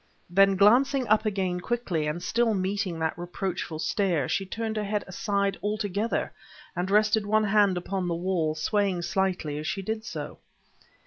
Then, glancing up again quickly, and still meeting that reproachful stare, she turned her head aside altogether, and rested one hand upon the wall, swaying slightly as she did so.